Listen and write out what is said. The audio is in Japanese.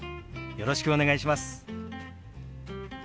よろしくお願いします。